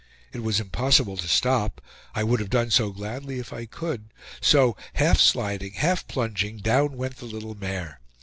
It was impossible to stop; I would have done so gladly if I could; so, half sliding, half plunging, down went the little mare.